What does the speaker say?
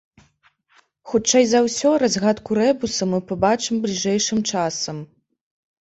Хутчэй за ўсё, разгадку рэбуса мы пабачым бліжэйшым часам.